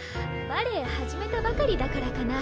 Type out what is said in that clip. バレエ始めたばかりだからかな。